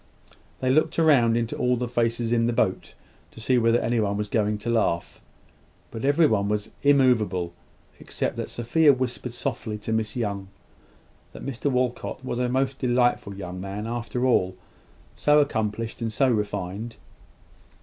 They looked round into all the faces in their boat to see whether anyone was going to laugh: but everybody was immoveable, except that Sophia whispered softly to Miss Young, that Mr Walcot was a most delightful young man, after all so accomplished and so refined!